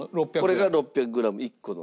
これが６００グラム１個の。